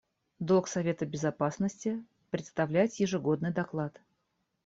Долг Совета Безопасности — представлять ежегодный доклад.